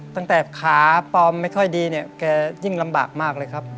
ตั้งแต่ขาปลอมไม่ค่อยดีเนี่ยแกยิ่งลำบากมากเลยครับ